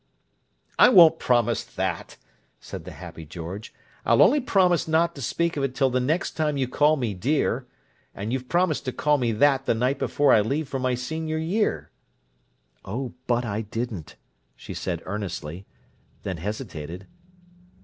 "I won't promise that," said the happy George. "I'll only promise not to speak of it till the next time you call me 'dear'; and you've promised to call me that the night before I leave for my senior year." "Oh, but I didn't!" she said earnestly, then hesitated.